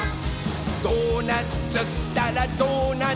「ドーナツったらドーナツ！」